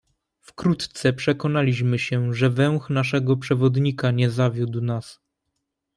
"Wkrótce przekonaliśmy się, że węch naszego przewodnika nie zawiódł nas."